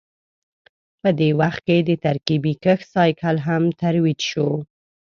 په دې وخت کې د ترکیبي کښت سایکل هم ترویج شو